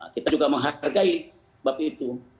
kita juga menghargai bapi itu